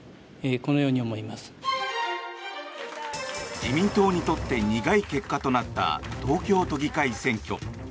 自民党にとって苦い結果となった東京都議会選挙。